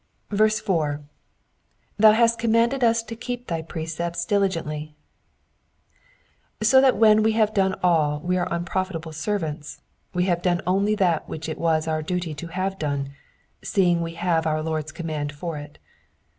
4. *^Thou Jiast commanded V3 to keep thy precepts diligently,'*^ So that when we have done all we are unprofitable servants, we have done only that which it was our duty to have done, seeing we have our Lord's command for it.